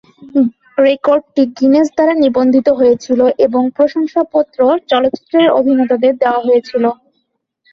রেকর্ডটি গিনেস দ্বারা নিবন্ধিত হয়েছিল এবং প্রশংসাপত্র চলচ্চিত্রের অভিনেতাদের দেওয়া হয়েছিল।